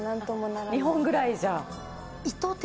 日本ぐらいじゃ。